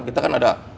kita kan ada